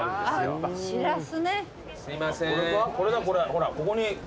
ほらここに。